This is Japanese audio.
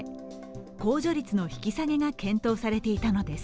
控除率の引き下げが検討されていたのです。